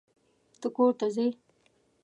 ته کورته ځې؟